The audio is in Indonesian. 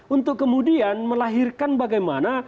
untuk kemudian melahirkan bagaimana